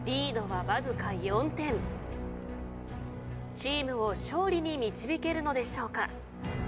チームを勝利に導けるのでしょうか。